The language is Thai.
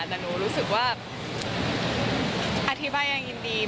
แต่หนูรู้สึกว่าอธิบายยังยินดี